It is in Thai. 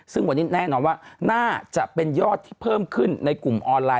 ซึ่งวันนี้แน่นอนว่าน่าจะเป็นยอดที่เพิ่มขึ้นในกลุ่มออนไลน